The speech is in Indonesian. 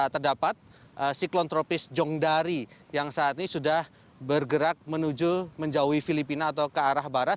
terdapat siklon tropis jongdari yang saat ini sudah bergerak menuju menjauhi filipina atau ke arah barat